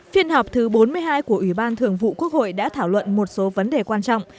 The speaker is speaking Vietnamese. phiên họp thứ bốn mươi hai của ủy ban thường vụ quốc hội đã thảo luận một số vấn đề quan trọng